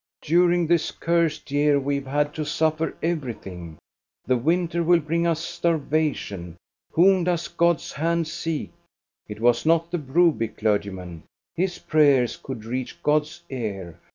" During this cursed year we have had to suffer everything. The winter will bring us starvation. Whom does God's hand seek.^ It was not the Broby clergyman. His prayers could reach God's ear.